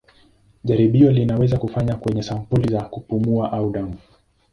Jaribio linaweza kufanywa kwenye sampuli za kupumua au damu.